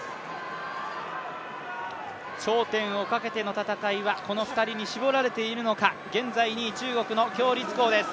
頂点をかけての戦いはこの２人に絞られているのか、現在２位、中国の鞏立コウです。